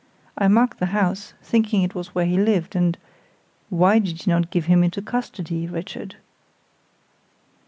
I marked the house, thinking it was where he lived, and " "Why did you not give him into custody, Richard?"